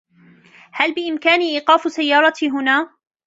هل بإمكاني إيقاف سيارتي هنا ؟